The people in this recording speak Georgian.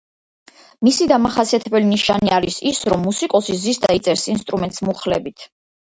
მისი დამახასიათებელი ნიშანი არის ის, რომ მუსიკოსი ზის და იწერს ინსტრუმენტს მუხლებით.